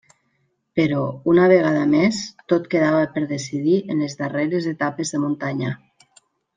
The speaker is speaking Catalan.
Però, una vegada més, tot quedava per decidir en les darreres etapes de muntanya.